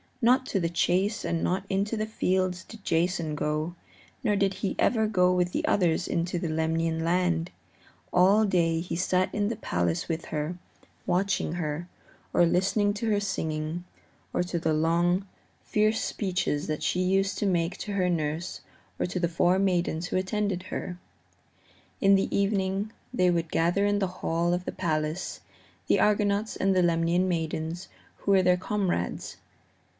Not to the chase and not into the fields did Jason go, nor did he ever go with the others into the Lemnian land; all day he sat in the palace with her, watching her, or listening to her singing, or to the long, fierce speeches that she used to make to her nurse or to the four maidens who attended her. In the evening they would gather in the hall of the palace, the Argonauts and the Lemnian maidens who were their comrades.